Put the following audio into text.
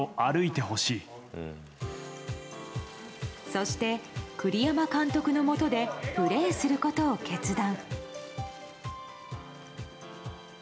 そして、栗山監督のもとでプレーすることを決断。